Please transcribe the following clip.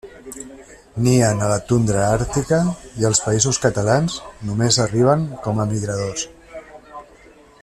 Nien a la tundra àrtica i als Països Catalans només arriben com a migradors.